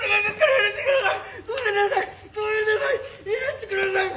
許してください！